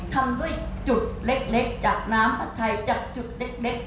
ทำด้วยจุดเล็กจากน้ำผัดไทยจากจุดเล็ก